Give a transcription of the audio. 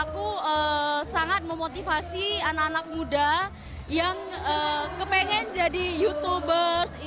aku sangat memotivasi anak anak muda yang kepengen jadi youtubers